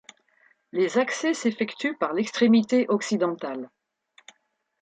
Les accès s'effectuent par l'extrémité occidentale.